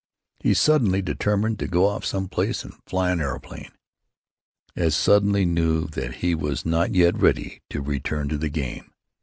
He suddenly determined to go off some place and fly an aeroplane; as suddenly knew that he was not yet ready to return to the game.